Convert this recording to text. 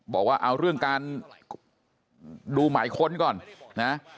บอกว่าเอาเรื่องการดูหมายค้นก่อนนะ